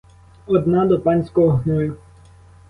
Одна — до панського гною.